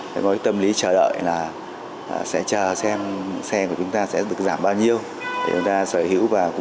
có tâm lý chờ đợi là sẽ chờ xem xe của chúng ta sẽ được giảm bao nhiêu